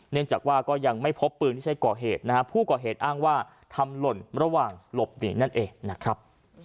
เนื่องจากว่าก็ยังไม่พบปืนที่ใช้ก่อเหตุนะฮะผู้ก่อเหตุอ้างว่าทำหล่นระหว่างหลบหนีนั่นเองนะครับ